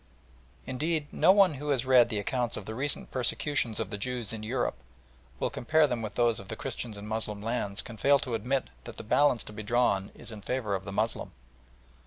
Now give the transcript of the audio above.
Indeed, no one who has read the accounts of the recent persecutions of the Jews in Europe and will compare them with those of Christians in Moslem lands, can fail to admit that the balance to be drawn is in favour of the Moslem.